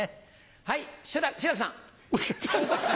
はいシュラ志らくさん。